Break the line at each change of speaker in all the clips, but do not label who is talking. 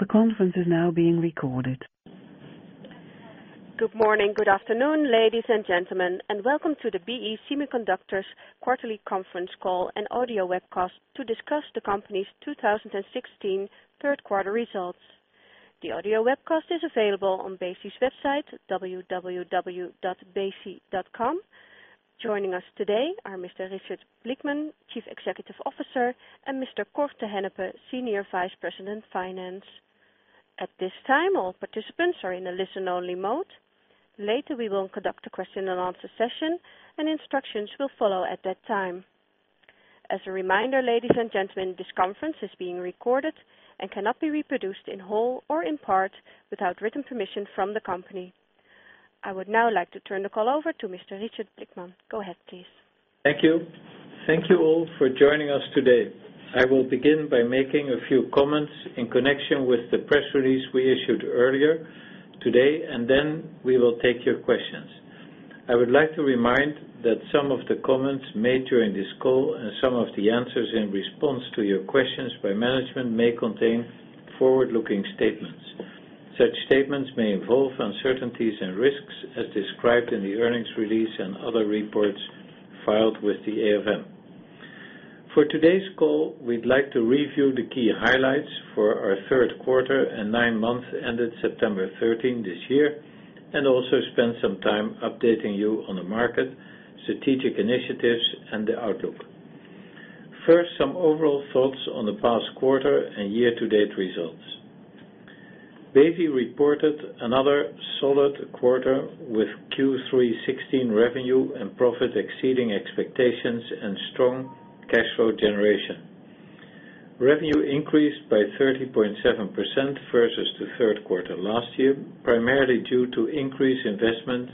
The conference is now being recorded. Good morning, good afternoon, ladies and gentlemen, welcome to the BE Semiconductor's quarterly conference call and audio webcast to discuss the company's 2016 third quarter results. The audio webcast is available on BESI's website, www.besi.com. Joining us today are Mr. Richard Blickman, Chief Executive Officer, and Mr. Cor te Hennepe, Senior Vice President, Finance. At this time, all participants are in a listen-only mode. Later, we will conduct a question and answer session, instructions will follow at that time. As a reminder, ladies and gentlemen, this conference is being recorded and cannot be reproduced in whole or in part without written permission from the company. I would now like to turn the call over to Mr. Richard Blickman. Go ahead, please.
Thank you. Thank you all for joining us today. I will begin by making a few comments in connection with the press release we issued earlier today, then we will take your questions. I would like to remind you that some of the comments made during this call, some of the answers in response to your questions by management may contain forward-looking statements. Such statements may involve uncertainties and risks as described in the earnings release, other reports filed with the AFM. For today's call, we'd like to review the key highlights for our third quarter and nine months ended September 30 this year, also spend some time updating you on the market, strategic initiatives, the outlook. First, some overall thoughts on the past quarter and year-to-date results. BESI reported another solid quarter with Q3 2016 revenue and profit exceeding expectations, strong cash flow generation. Revenue increased by 30.7% versus the third quarter last year, primarily due to increased investments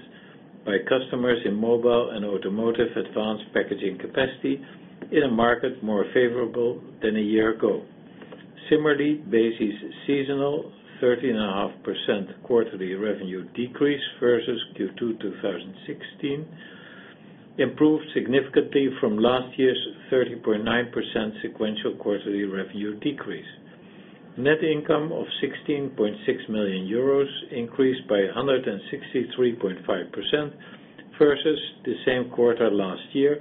by customers in mobile and automotive advanced packaging capacity in a market more favorable than a year ago. Similarly, BESI's seasonal 13.5% quarterly revenue decrease versus Q2 2016 improved significantly from last year's 30.9% sequential quarterly revenue decrease. Net income of 16.6 million euros increased by 163.5% versus the same quarter last year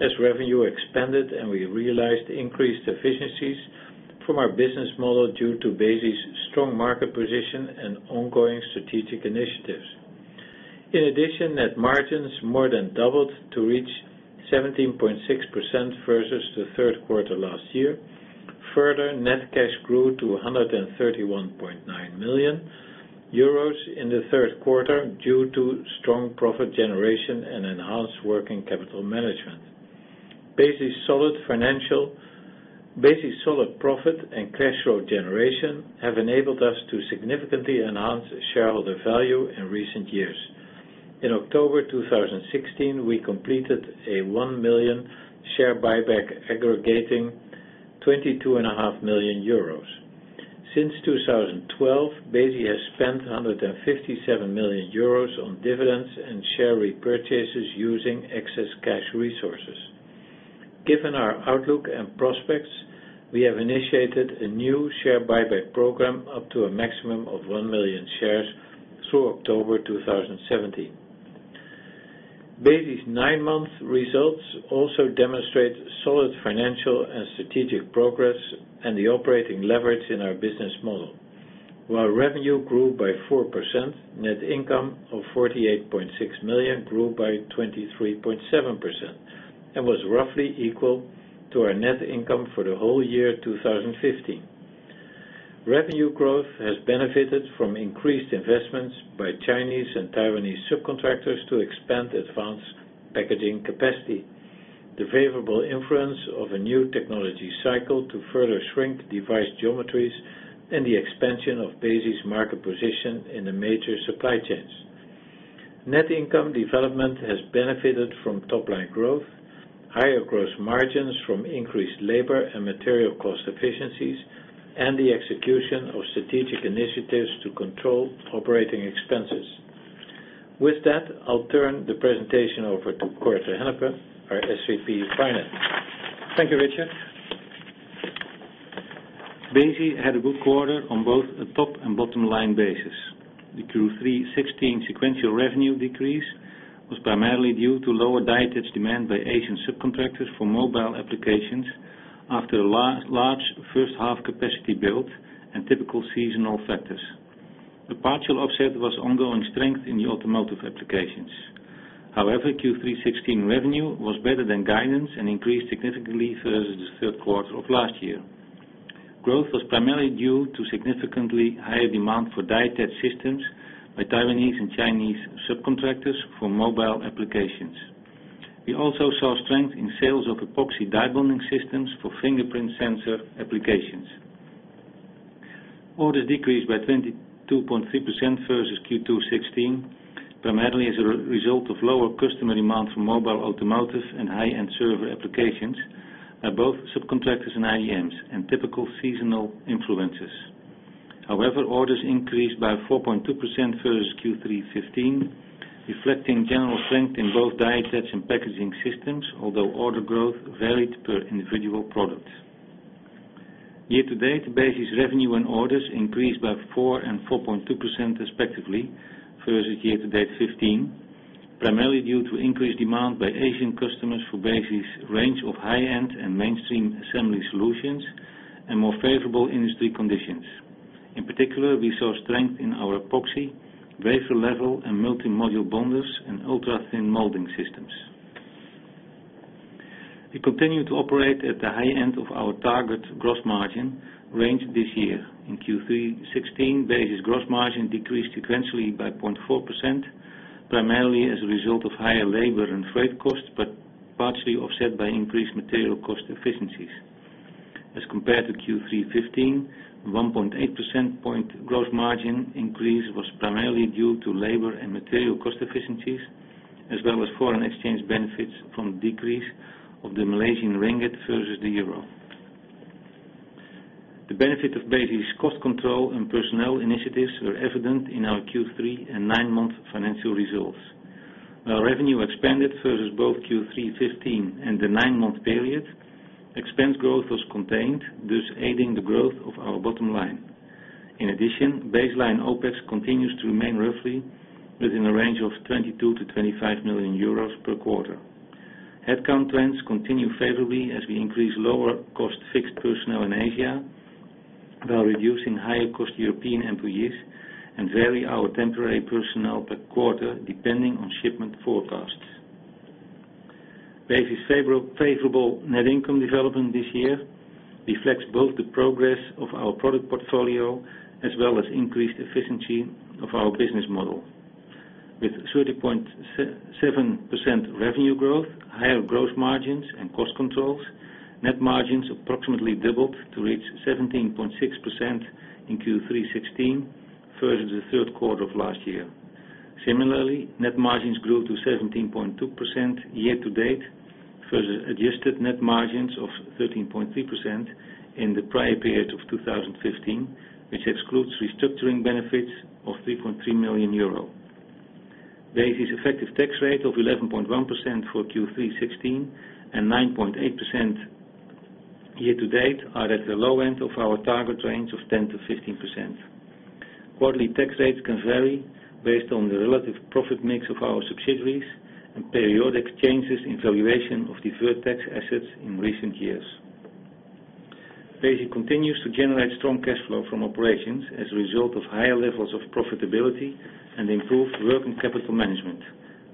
as revenue expanded and we realized increased efficiencies from our business model due to BESI's strong market position and ongoing strategic initiatives. In addition, net margins more than doubled to reach 17.6% versus the third quarter last year. Further, net cash grew to 131.9 million euros in the third quarter due to strong profit generation and enhanced working capital management. BESI's solid profit and cash flow generation have enabled us to significantly enhance shareholder value in recent years. In October 2016, we completed a 1 million share buyback aggregating 22.5 million euros. Since 2012, BESI has spent 157 million euros on dividends and share repurchases using excess cash resources. Given our outlook and prospects, we have initiated a new share buyback program up to a maximum of 1 million shares through October 2017. BESI's nine-month results also demonstrate solid financial and strategic progress, the operating leverage in our business model. While revenue grew by 4%, net income of 48.6 million grew by 23.7% and was roughly equal to our net income for the whole year 2015. Revenue growth has benefited from increased investments by Chinese and Taiwanese subcontractors to expand advanced packaging capacity, the favorable influence of a new technology cycle to further shrink device geometries, and the expansion of BESI's market position in the major supply chains. Net income development has benefited from top-line growth, higher gross margins from increased labor and material cost efficiencies, and the execution of strategic initiatives to control operating expenses. With that, I'll turn the presentation over to Cor te Hennepe, our SVP of Finance.
Thank you, Richard. BESI had a good quarter on both a top and bottom-line basis. The Q3 2016 sequential revenue decrease was primarily due to lower die attach demand by Asian subcontractors for mobile applications after a large first-half capacity build and typical seasonal factors. The partial offset was ongoing strength in the automotive applications. Q3 2016 revenue was better than guidance and increased significantly versus the third quarter of last year. Growth was primarily due to significantly higher demand for die attach systems by Taiwanese and Chinese subcontractors for mobile applications. We also saw strength in sales of epoxy die bonding systems for fingerprint sensor applications. Orders decreased by 22.3% versus Q2 2016, primarily as a result of lower customer demand for mobile, automotive, and high-end server applications by both subcontractors and OEMs and typical seasonal influences. Orders increased by 4.2% versus Q3 2015, reflecting general strength in both die attach and packaging systems, although order growth varied per individual products. Year-to-date, BESI's revenue and orders increased by 4% and 4.2% respectively versus year-to-date 2015, primarily due to increased demand by Asian customers for BESI's range of high-end and mainstream assembly solutions and more favorable industry conditions. In particular, we saw strength in our epoxy, wafer level, and multi-module bonders and ultra-thin molding systems. We continue to operate at the high end of our target gross margin range this year. In Q3 2016, BESI's gross margin decreased sequentially by 0.4%, primarily as a result of higher labor and freight costs, partially offset by increased material cost efficiencies. Compared to Q3 2015, 1.8% point gross margin increase was primarily due to labor and material cost efficiencies, as well as foreign exchange benefits from the decrease of the Malaysian ringgit versus the euro. The benefit of BESI's cost control and personnel initiatives were evident in our Q3 and nine-month financial results. Revenue expanded versus both Q3 2015 and the nine-month period, expense growth was contained, thus aiding the growth of our bottom line. In addition, baseline OpEx continues to remain roughly within a range of 22 million-25 million euros per quarter. Headcount trends continue favorably as we increase lower-cost fixed personnel in Asia while reducing higher-cost European employees and vary our temporary personnel per quarter, depending on shipment forecasts. BESI's favorable net income development this year reflects both the progress of our product portfolio as well as increased efficiency of our business model. With 30.7% revenue growth, higher gross margins, and cost controls, net margins approximately doubled to reach 17.6% in Q3 2016 versus the third quarter of last year. Similarly, net margins grew to 17.2% year-to-date versus adjusted net margins of 13.3% in the prior period of 2015, which excludes restructuring benefits of 3.3 million euro. BESI's effective tax rate of 11.1% for Q3 2016 and 9.8% year-to-date are at the low end of our target range of 10%-15%. Quarterly tax rates can vary based on the relative profit mix of our subsidiaries and periodic changes in valuation of deferred tax assets in recent years. BESI continues to generate strong cash flow from operations as a result of higher levels of profitability and improved working capital management,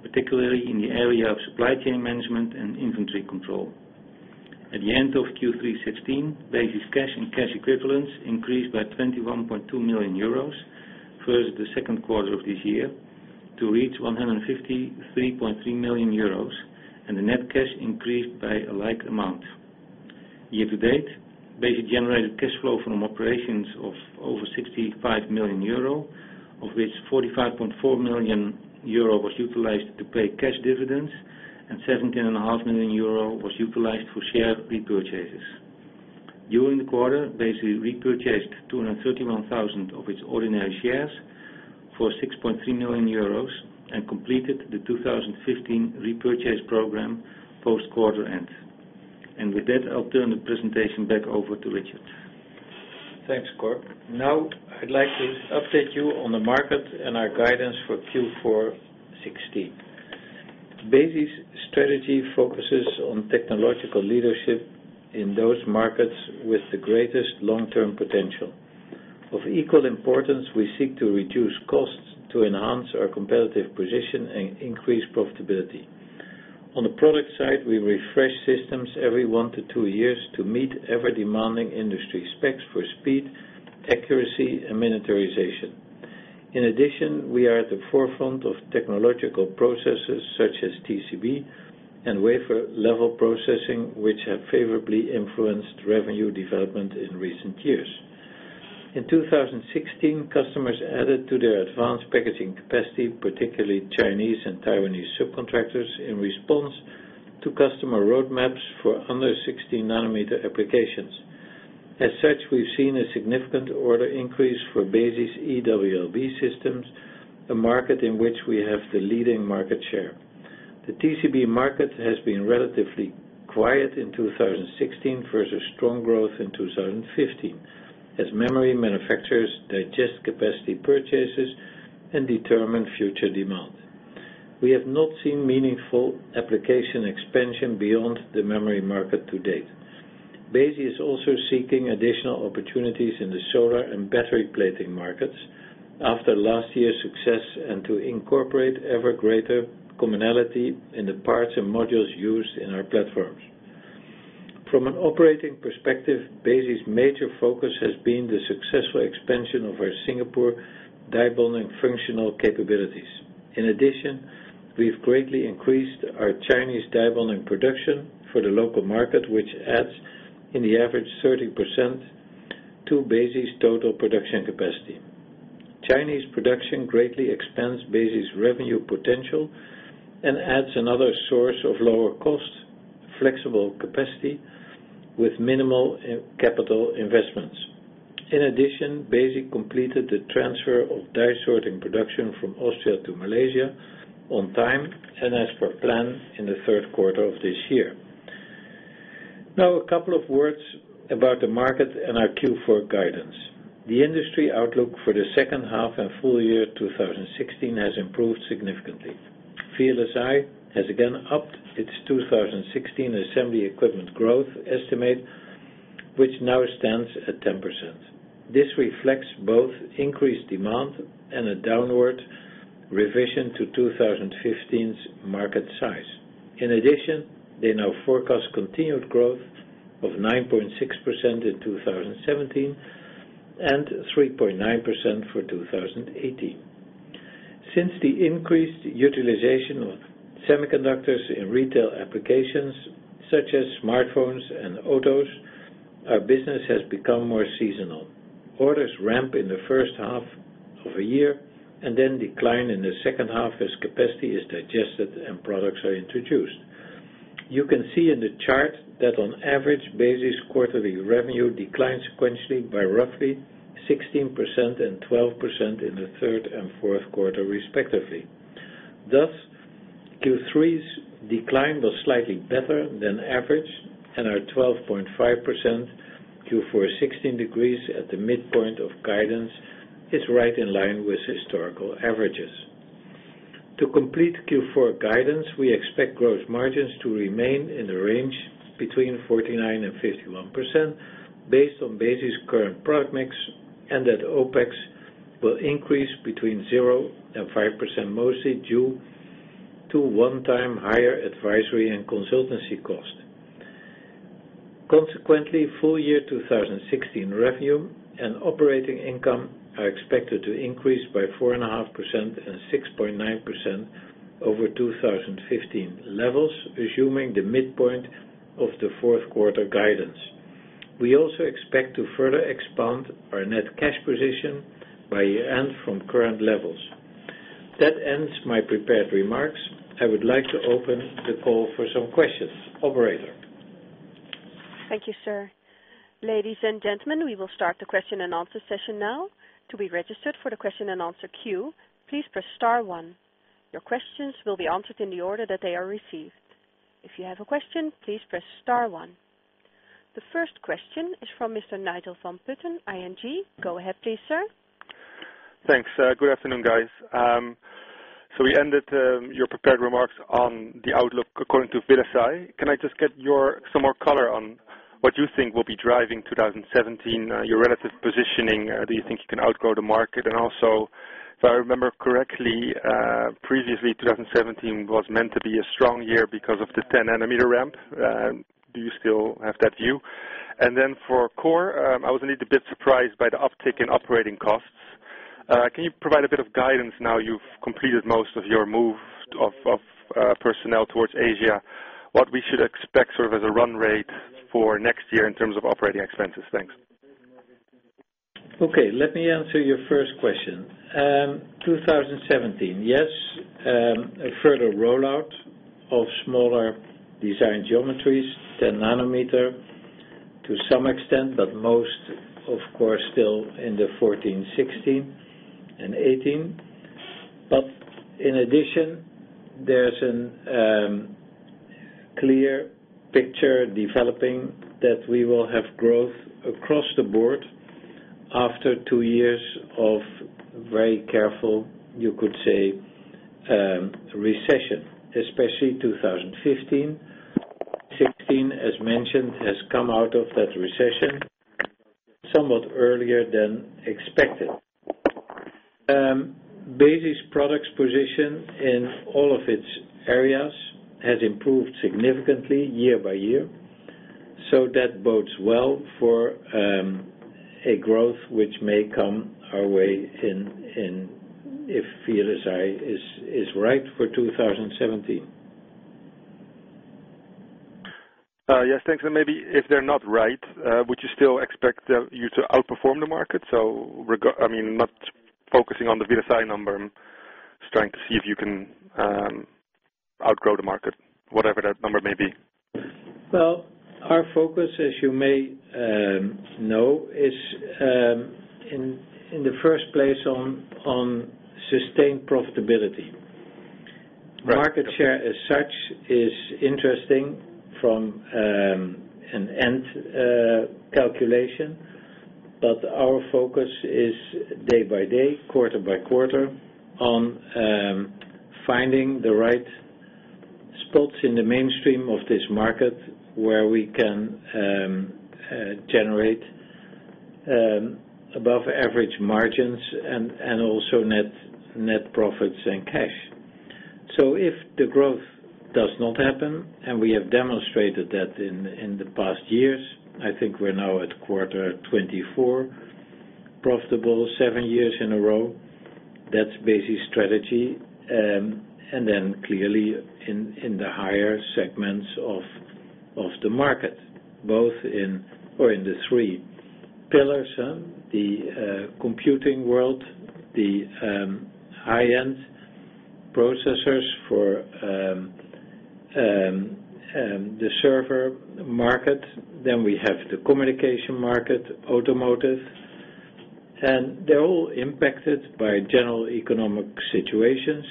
particularly in the area of supply chain management and inventory control. At the end of Q3 2016, BESI's cash and cash equivalents increased by 21.2 million euros versus the second quarter of this year to reach 153.3 million euros, and the net cash increased by a like amount. Year-to-date, BESI's generated cash flow from operations of over 65 million euro, of which 45.4 million euro was utilized to pay cash dividends and 17.5 million euro was utilized for share repurchases. During the quarter, BESI's repurchased 231,000 of its ordinary shares for 6.3 million euros and completed the 2015 repurchase program post quarter end. With that, I'll turn the presentation back over to Richard.
Thanks, Cor. I'd like to update you on the market and our guidance for Q4 2016. BESI's strategy focuses on technological leadership in those markets with the greatest long-term potential. Of equal importance, we seek to reduce costs to enhance our competitive position and increase profitability. On the product side, we refresh systems every one to two years to meet ever-demanding industry specs for speed, accuracy, and miniaturization. In addition, we are at the forefront of technological processes such as TCB and wafer level processing, which have favorably influenced revenue development in recent years. In 2016, customers added to their advanced packaging capacity, particularly Chinese and Taiwanese subcontractors, in response to customer roadmaps for under 60 nanometer applications. As such, we've seen a significant order increase for BESI's eWLB systems, a market in which we have the leading market share. The TCB market has been relatively quiet in 2016 versus strong growth in 2015 as memory manufacturers digest capacity purchases and determine future demand. We have not seen meaningful application expansion beyond the memory market to date. BESI is also seeking additional opportunities in the solar and battery plating markets after last year's success and to incorporate ever greater commonality in the parts and modules used in our platforms. From an operating perspective, BESI's major focus has been the successful expansion of our Singapore die bonding functional capabilities. In addition, we've greatly increased our Chinese die bonding production for the local market, which adds in the average 30% to BESI's total production capacity. Chinese production greatly expands BESI's revenue potential and adds another source of lower-cost, flexible capacity with minimal capital investments. In addition, Besi completed the transfer of die sorting production from Austria to Malaysia on time and as per plan in the third quarter of this year. A couple of words about the market and our Q4 guidance. The industry outlook for the second half and full year 2016 has improved significantly. VLSI has again upped its 2016 assembly equipment growth estimate, which now stands at 10%. This reflects both increased demand and a downward revision to 2015's market size. They now forecast continued growth of 9.6% in 2017 and 3.9% for 2018. Since the increased utilization of semiconductors in retail applications such as smartphones and autos, our business has become more seasonal. Orders ramp in the first half of a year and then decline in the second half as capacity is digested and products are introduced. You can see in the chart that on average, BESI's quarterly revenue declines sequentially by roughly 16% and 12% in the third and fourth quarter, respectively. Q3's decline was slightly better than average, and our 12.5% Q4 2016 decrease at the midpoint of guidance is right in line with historical averages. To complete Q4 guidance, we expect gross margins to remain in the range between 49% and 51%, based on BESI's current product mix, and that OpEx will increase between 0% and 5%, mostly due to one-time higher advisory and consultancy cost. Full year 2016 revenue and operating income are expected to increase by 4.5% and 6.9% over 2015 levels, assuming the midpoint of the fourth quarter guidance. We also expect to further expand our net cash position by year-end from current levels. That ends my prepared remarks. I would like to open the call for some questions. Operator.
Thank you, sir. Ladies and gentlemen, we will start the question and answer session now. To be registered for the question and answer queue, please press star one. Your questions will be answered in the order that they are received. If you have a question, please press star one. The first question is from Mr. Nigel van Putten, ING. Go ahead, please, sir.
Thanks. Good afternoon, guys. We ended your prepared remarks on the outlook according to VLSI. Can I just get some more color on what you think will be driving 2017, your relative positioning? Do you think you can outgrow the market? Also, if I remember correctly, previously, 2017 was meant to be a strong year because of the 10-nanometer ramp. Do you still have that view? Then for Cor, I was a little bit surprised by the uptick in operating costs. Can you provide a bit of guidance now you've completed most of your move of personnel towards Asia, what we should expect sort of as a run rate for next year in terms of operating expenses? Thanks.
Okay, let me answer your first question. 2017, yes, a further rollout of smaller design geometries, 10 nanometer to some extent, but most of course, still in the 14, 16, and 18. In addition, there's a clear picture developing that we will have growth across the board after 2 years of very careful, you could say, recession, especially 2015. 2016, as mentioned, has come out of that recession somewhat earlier than expected. Besi's products position in all of its areas has improved significantly year by year. That bodes well for a growth which may come our way if VLSI is right for 2017.
Yes, thanks. Maybe if they're not right, would you still expect you to outperform the market? I mean, not focusing on the VLSI number, I'm just trying to see if you can outgrow the market, whatever that number may be.
Well, our focus, as you may know, is in the first place on sustained profitability. Market share as such is interesting from an end calculation, Our focus is day by day, quarter by quarter, on finding the right spots in the mainstream of this market where we can generate above-average margins and also net profits and cash. If the growth does not happen, and we have demonstrated that in the past years, I think we're now at quarter 24, profitable seven years in a row. That's Besi's strategy. Clearly in the higher segments of the market, both in the three pillars. The computing world, the high-end processors for the server market, we have the communication market, automotive. They're all impacted by general economic situations.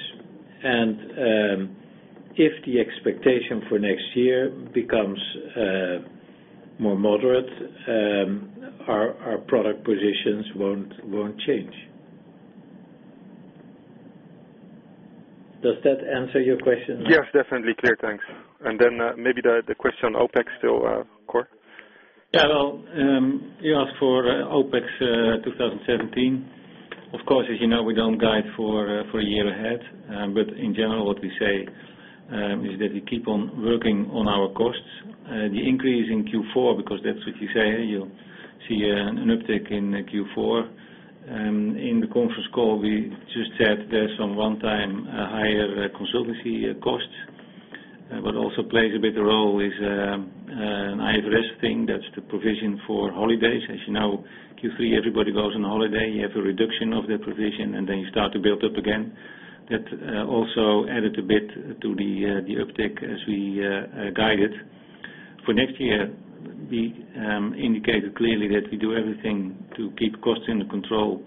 If the expectation for next year becomes more moderate, our product positions won't change. Does that answer your question?
Yes, definitely clear. Thanks. Maybe the question on OpEx to Cor.
Yeah. You asked for OpEx 2017. Of course, as you know, we don't guide for a year ahead. In general, what we say is that we keep on working on our costs. The increase in Q4, because that's what you say, you see an uptick in Q4. In the conference call, we just said there's some one-time higher consultancy costs, what also plays a bit of role is an IFRS thing, that's the provision for holidays. As you know, Q3 everybody goes on holiday. You have a reduction of that provision, and then you start to build up again. That also added a bit to the uptick as we guided. For next year, we indicated clearly that we do everything to keep costs under control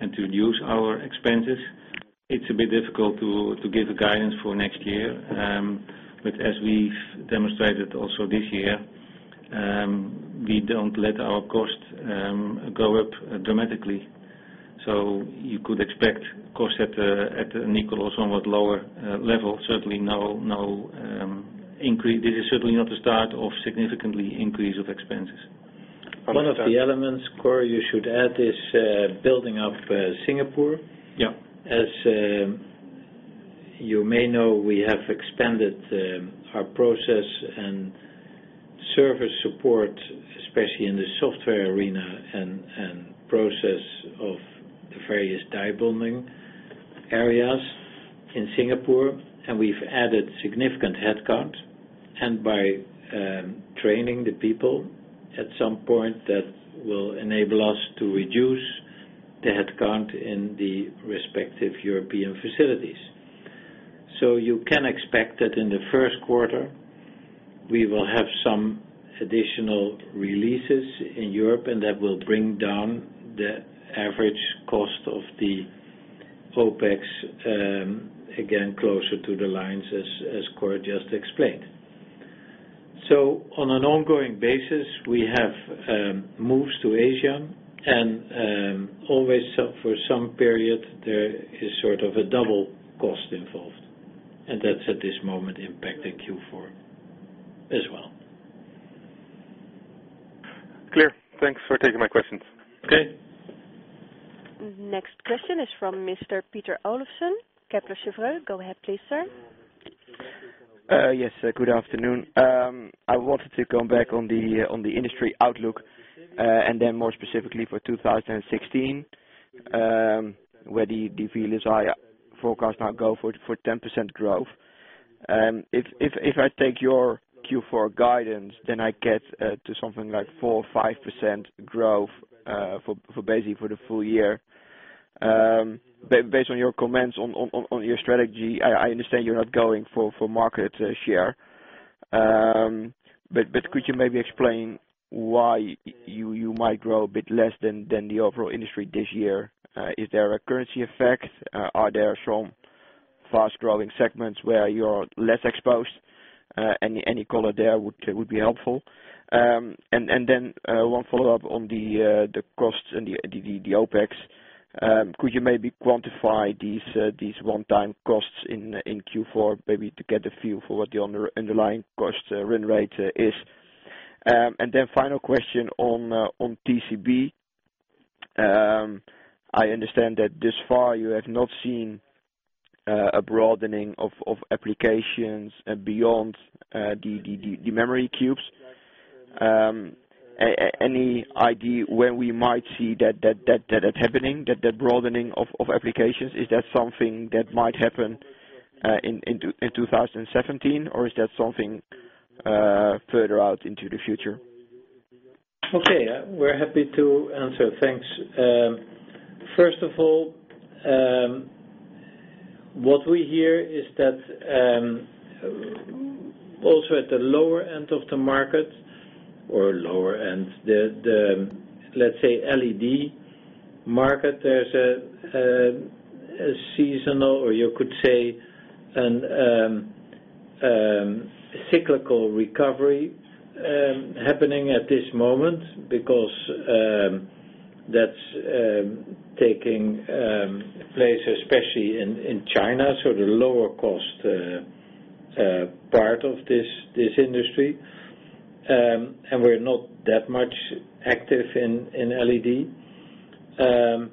and to reduce our expenses. It's a bit difficult to give a guidance for next year. As we've demonstrated also this year, we don't let our cost go up dramatically. You could expect costs at an equal or somewhat lower level. This is certainly not the start of significantly increase of expenses.
One of the elements, Cor, you should add is building up Singapore.
Yeah.
As you may know, we have expanded our process and service support, especially in the software arena and process of the various die bonding areas in Singapore. We've added significant headcount, and by training the people at some point that will enable us to reduce the headcount in the respective European facilities. You can expect that in the first quarter, we will have some additional releases in Europe, and that will bring down the average cost of the OpEx, again, closer to the lines as Cor just explained. On an ongoing basis, we have moves to Asia, and always for some period, there is sort of a double cost involved, and that's at this moment impacting Q4 as well.
Clear. Thanks for taking my questions.
Okay.
Next question is from Mr. Peter Olofsen, Kepler Cheuvreux. Go ahead, please, sir.
Yes, good afternoon. I wanted to come back on the industry outlook. More specifically for 2016, where the VLSI Research forecast now go for 10% growth. If I take your Q4 guidance, I get to something like 4% or 5% growth, basically for the full year. Based on your comments on your strategy, I understand you're not going for market share. Could you maybe explain why you might grow a bit less than the overall industry this year? Is there a currency effect? Are there some fast-growing segments where you're less exposed? Any color there would be helpful. One follow-up on the costs and the OpEx. Could you maybe quantify these one-time costs in Q4, maybe to get a feel for what the underlying cost run rate is? Final question on TCB. I understand that thus far you have not seen a broadening of applications beyond the memory cubes. Any idea when we might see that happening, that broadening of applications? Is that something that might happen in 2017, or is that something further out into the future?
Okay. We're happy to answer. Thanks. First of all, what we hear is that also at the lower end of the market or lower end, let's say LED market, there's a seasonal or you could say cyclical recovery happening at this moment because that's taking place especially in China, so the lower cost part of this industry, and we're not that much active in LED.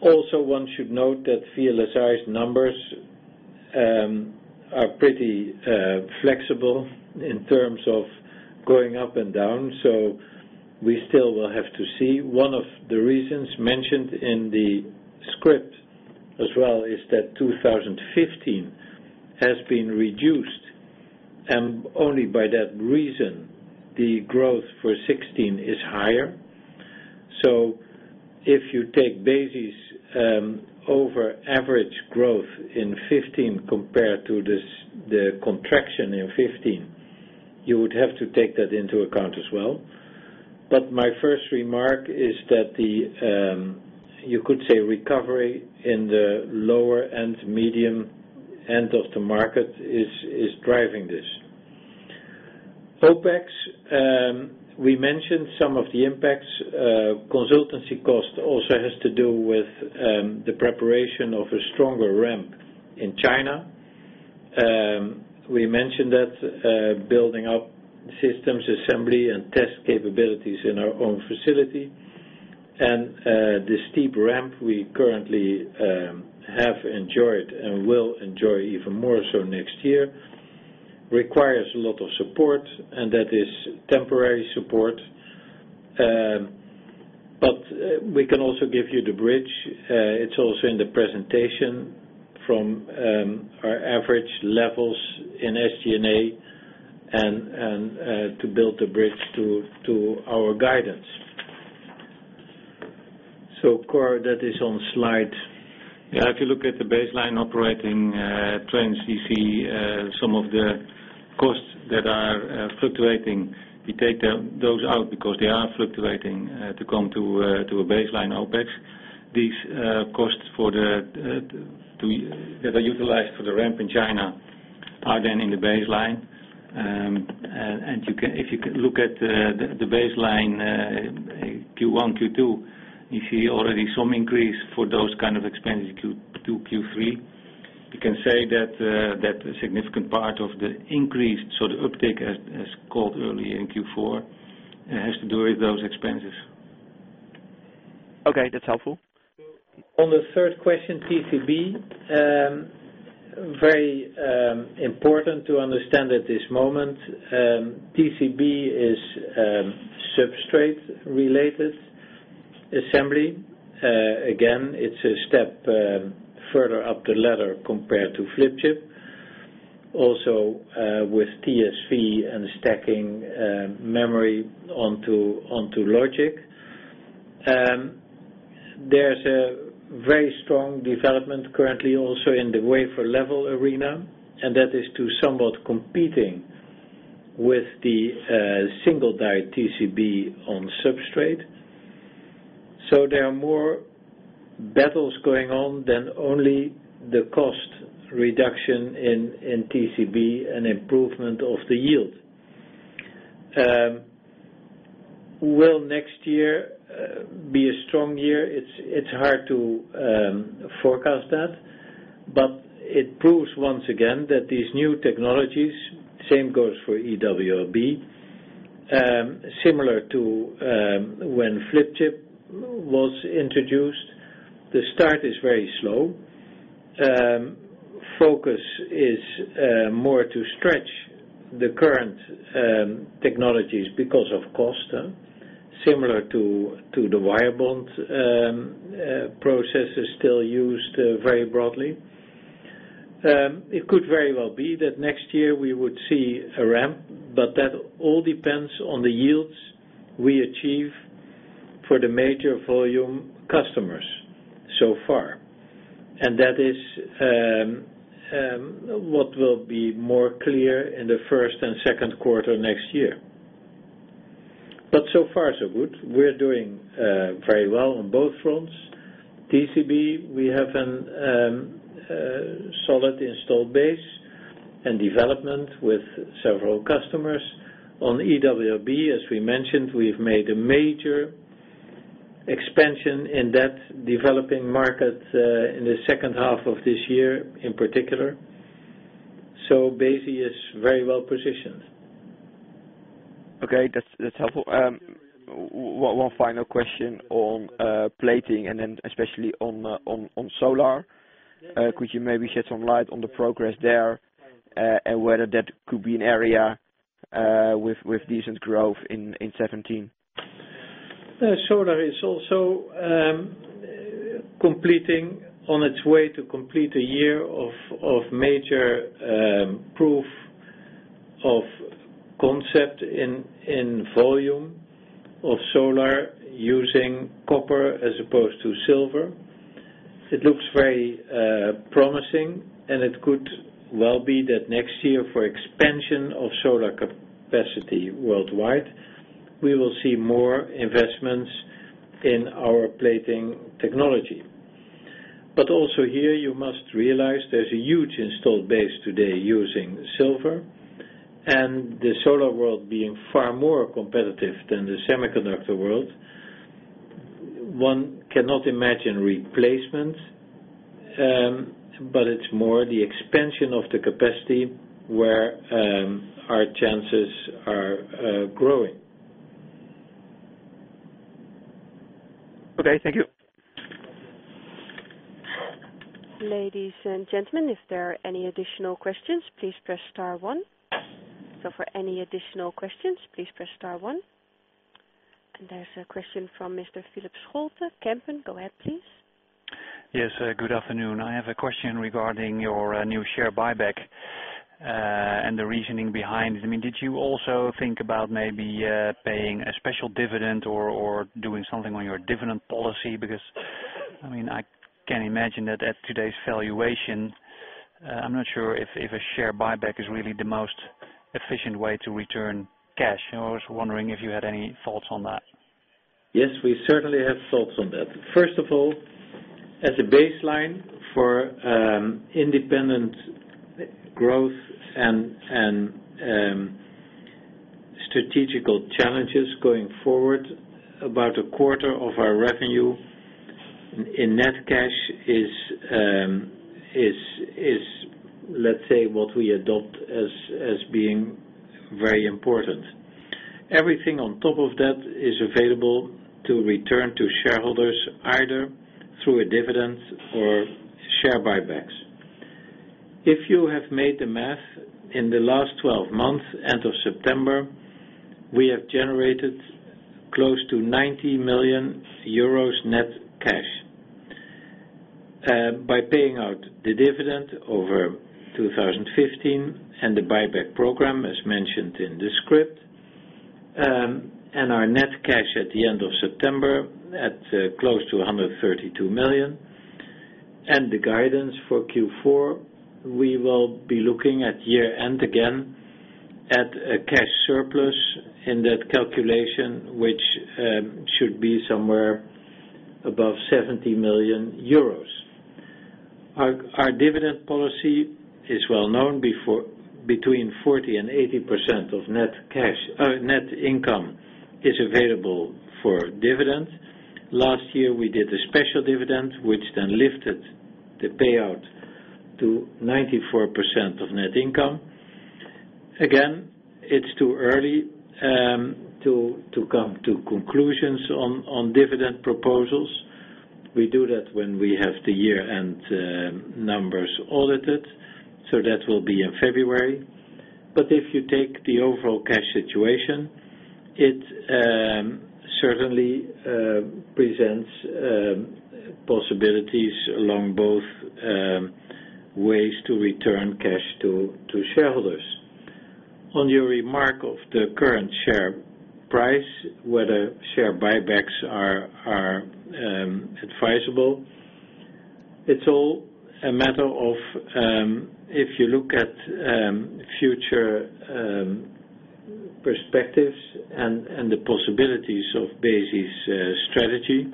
Also one should note that VLSI Research numbers are pretty flexible in terms of going up and down. We still will have to see. One of the reasons mentioned in the script as well is that 2015 has been reduced, and only by that reason, the growth for 2016 is higher. If you take BESI's over average growth in 2015 compared to the contraction in 2015, you would have to take that into account as well. My first remark is that the, you could say recovery in the lower and medium end of the market is driving this. OpEx. We mentioned some of the impacts. Consultancy cost also has to do with the preparation of a stronger ramp in China. We mentioned that building up systems, assembly, and test capabilities in our own facility. The steep ramp we currently have enjoyed and will enjoy even more so next year, requires a lot of support, and that is temporary support. We can also give you the bridge. It's also in the presentation from our average levels in SG&A and to build the bridge to our guidance. Cor, that is on slide-
If you look at the baseline operating trends, you see some of the costs that are fluctuating. We take those out because they are fluctuating, to come to a baseline OpEx. These costs that are utilized for the ramp in China are then in the baseline. If you look at the baseline Q1, Q2, you see already some increase for those kind of expenses to Q3. We can say that the significant part of the increased sort of uptick, as called early in Q4, has to do with those expenses.
Okay. That's helpful.
On the third question, TCB. Very important to understand at this moment, TCB is substrate-related assembly. Again, it's a step further up the ladder compared to flip chip. With TSV and stacking memory onto logic. There's a very strong development currently also in the wafer level arena, and that is to somewhat competing with the single die TCB on substrate. There are more battles going on than only the cost reduction in TCB and improvement of the yield. Will next year be a strong year? It's hard to forecast that. It proves once again that these new technologies, same goes for eWLB, similar to when flip chip was introduced. The start is very slow. Focus is more to stretch the current technologies because of cost. Similar to the wire bond process is still used very broadly. It could very well be that next year we would see a ramp. That all depends on the yields we achieve for the major volume customers so far. That is what will be more clear in the first and second quarter next year. So far, so good. We're doing very well on both fronts. TCB, we have a solid installed base and development with several customers. On eWLB, as we mentioned, we've made a major expansion in that developing market, in the second half of this year in particular. Besi is very well-positioned.
Okay. That's helpful. One final question on plating, especially on solar. Could you maybe shed some light on the progress there, and whether that could be an area with decent growth in 2017?
Solar is also on its way to complete a year of major proof of concept in volume of solar using copper as opposed to silver. It looks very promising, and it could well be that next year for expansion of solar capacity worldwide, we will see more investments in our plating technology. Also here, you must realize there's a huge installed base today using silver and the solar world being far more competitive than the semiconductor world. One cannot imagine replacements. It's more the expansion of the capacity where our chances are growing. Okay, thank you.
Ladies and gentlemen, if there are any additional questions, please press star one. For any additional questions, please press star one. There is a question from Mr. Philip Scholte, Kempen. Go ahead, please.
Yes. Good afternoon. I have a question regarding your new share buyback and the reasoning behind it. Did you also think about maybe paying a special dividend or doing something on your dividend policy? I can imagine that at today's valuation, I am not sure if a share buyback is really the most efficient way to return cash. I was wondering if you had any thoughts on that.
Yes, we certainly have thoughts on that. First of all, as a baseline for independent growth and strategical challenges going forward, about a quarter of our revenue in net cash is, let's say, what we adopt as being very important. Everything on top of that is available to return to shareholders, either through a dividend or share buybacks. If you have made the math in the last 12 months, end of September, we have generated close to 90 million euros net cash. By paying out the dividend over 2015 and the buyback program, as mentioned in the script, our net cash at the end of September at close to 132 million. The guidance for Q4, we will be looking at year-end again at a cash surplus in that calculation, which should be somewhere above 70 million euros. Our dividend policy is well-known. Between 40% and 80% of net income is available for dividends. Last year, we did a special dividend, which then lifted the payout to 94% of net income. Again, it is too early to come to conclusions on dividend proposals. We do that when we have the year-end numbers audited, so that will be in February. If you take the overall cash situation, it certainly presents possibilities along both ways to return cash to shareholders. On your remark of the current share price, whether share buybacks are advisable, it is all a matter of if you look at future perspectives and the possibilities of BESI's strategy.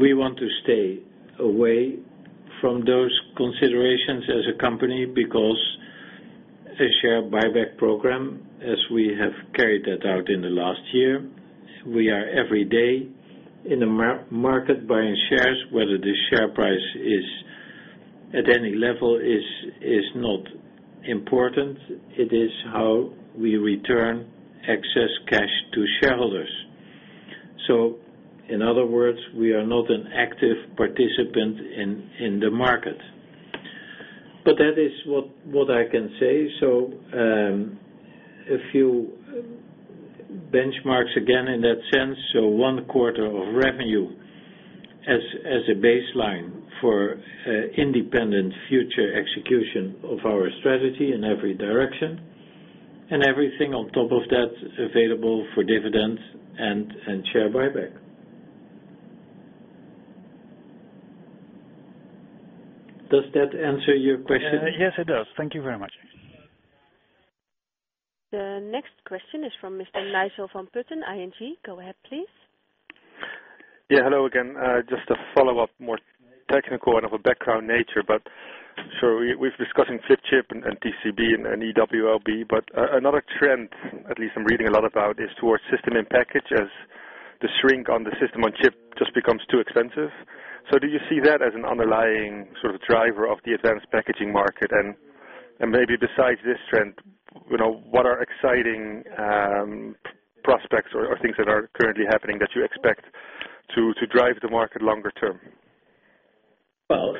We want to stay away from those considerations as a company because the share buyback program, as we have carried that out in the last year, we are every day in the market buying shares. Whether the share price is at any level is not important. It is how we return excess cash to shareholders. In other words, we are not an active participant in the market. That is what I can say. A few benchmarks again in that sense. One quarter of revenue as a baseline for independent future execution of our strategy in every direction, and everything on top of that is available for dividends and share buyback. Does that answer your question?
Yes, it does. Thank you very much.
The next question is from Mr. Nigel van Putten, ING. Go ahead, please.
Hello again. Just a follow-up, more technical and of a background nature. We've discussing flip chip and TCB and eWLB, but another trend, at least I'm reading a lot about, is towards system in package as the shrink on the system on chip just becomes too expensive. Do you see that as an underlying sort of driver of the advanced packaging market? Maybe besides this trend, what are exciting prospects or things that are currently happening that you expect to drive the market longer term?
Well,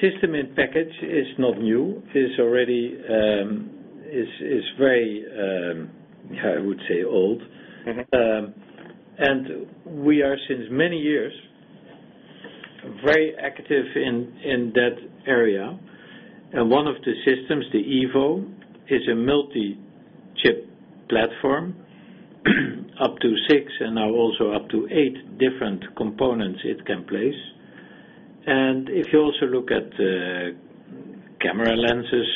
system in package is not new, is very, I would say, old. We are since many years, very active in that area. One of the systems, the Evo, is a multi-chip platform, up to six and now also up to eight different components it can place. If you also look at camera lenses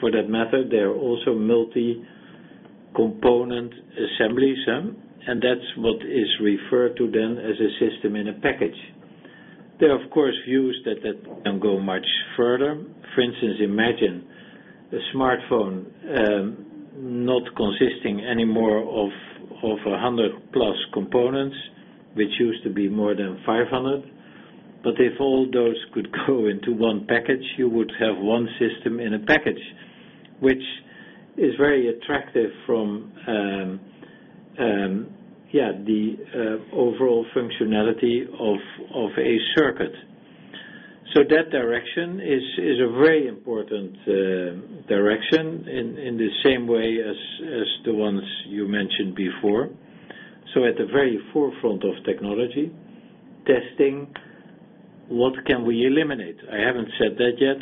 for that matter, they're also multi-component assemblies, and that's what is referred to then as a system in a package. There are, of course, views that that can go much further. For instance, imagine a smartphone not consisting anymore of 100-plus components, which used to be more than 500. But if all those could go into one package, you would have one system in a package, which is very attractive from the overall functionality of a circuit. That direction is a very important direction in the same way as the ones you mentioned before. At the very forefront of technology, testing, what can we eliminate? I haven't said that yet.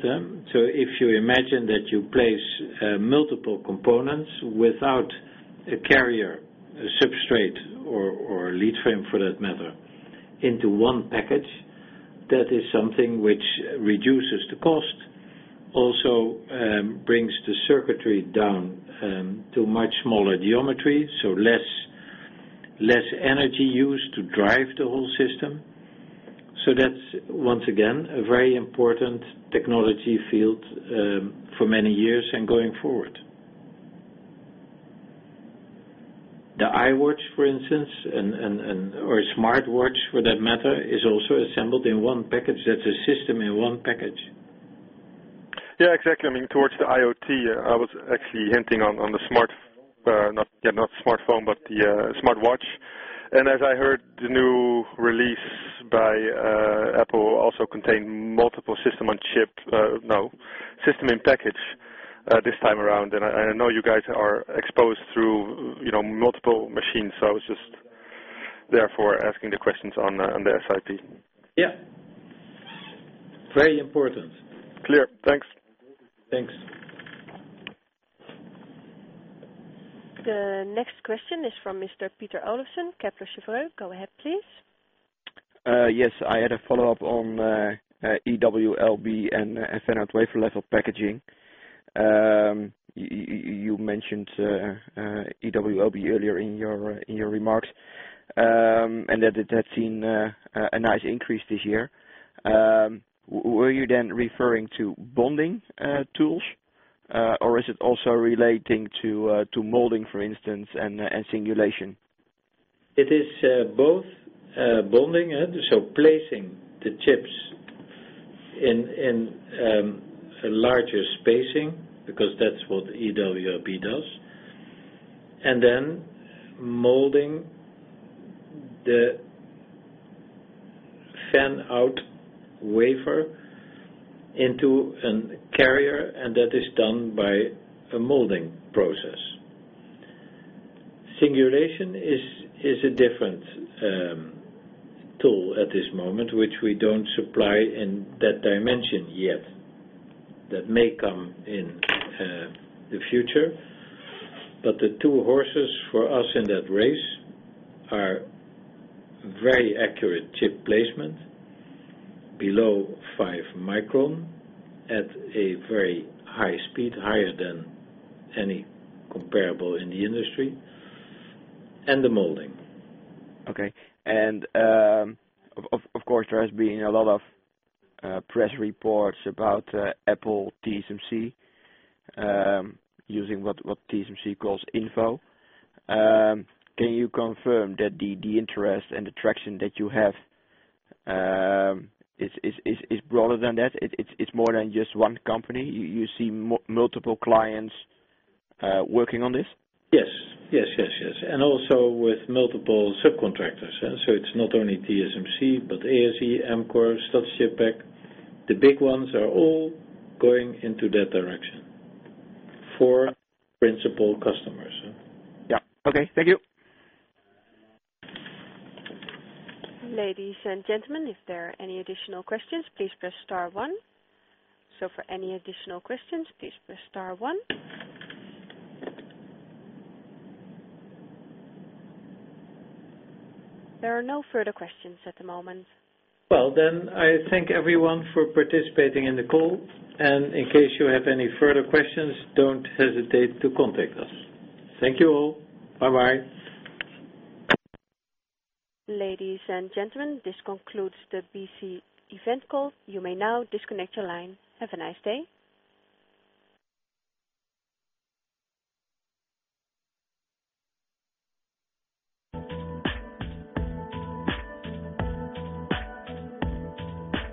If you imagine that you place multiple components without a carrier, a substrate, or a lead frame for that matter, into one package, that is something which reduces the cost, also brings the circuitry down to much smaller geometry, less energy used to drive the whole system. That's, once again, a very important technology field for many years and going forward. The iWatch, for instance, or a smartwatch for that matter, is also assembled in one package. That's a system in one package.
Yeah, exactly. I mean, towards the IoT, I was actually hinting on the smartphone, not smartphone, but the smartwatch. As I heard, the new release by Apple also contained multiple system on chip, no, system in package this time around. I know you guys are exposed through multiple machines. I was just therefore asking the questions on the SiP.
Yeah. Very important.
Clear. Thanks.
Thanks.
The next question is from Mr. Peter Olofsen, Kepler Cheuvreux. Go ahead, please.
Yes, I had a follow-up on eWLB and fan-out wafer level packaging. You mentioned eWLB earlier in your remarks, and that it had seen a nice increase this year. Were you then referring to bonding tools, or is it also relating to molding, for instance, and singulation?
It is both bonding, so placing the chips in a larger spacing because that's what eWLB does, then molding the fan-out wafer into a carrier, and that is done by a molding process. Singulation is a different tool at this moment, which we don't supply in that dimension yet. That may come in the future. The two horses for us in that race are very accurate chip placement below five micron at a very high speed, higher than any comparable in the industry, and the molding.
Okay. Of course, there has been a lot of press reports about Apple TSMC, using what TSMC calls InFO. Can you confirm that the interest and the traction that you have is broader than that? It's more than just one company? You see multiple clients working on this?
Yes. Also with multiple subcontractors. It's not only TSMC, but ASE, Amkor, STATS ChipPAC. The big ones are all going into that direction for principal customers.
Yeah. Okay. Thank you.
Ladies and gentlemen, if there are any additional questions, please press star one. For any additional questions, please press star one. There are no further questions at the moment.
I thank everyone for participating in the call, in case you have any further questions, don't hesitate to contact us. Thank you all. Bye-bye.
Ladies and gentlemen, this concludes the BESI event call. You may now disconnect your line. Have a nice day.